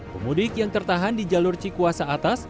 pemudik yang tertahan di jalur cikuasa atas